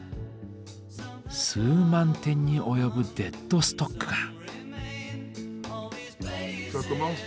数万点に及ぶデッドストックが。